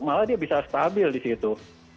malah dia bisa stabil di situ